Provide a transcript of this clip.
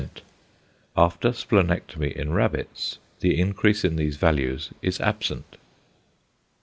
After splenectomy in rabbits the increase in these values is absent.